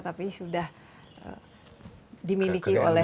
tapi sudah dimiliki oleh